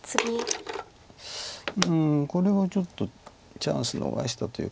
うんこれはちょっとチャンス逃したというか。